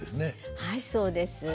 はいそうです。